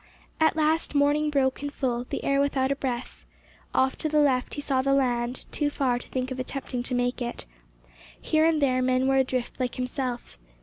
At last morning broke in full, the air without a breath. Off to the left he saw the land, too far to think of attempting to make it. Here and there men were adrift like himself.